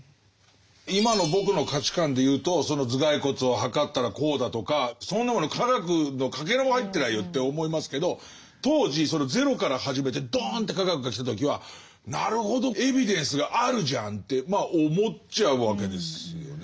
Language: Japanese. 今の僕の価値観でいうとその頭蓋骨を測ったらこうだとかそんなもの科学のかけらも入ってないよって思いますけど当時そのゼロから始めてどんって科学が来た時はなるほどエビデンスがあるじゃんってまあ思っちゃうわけですよね。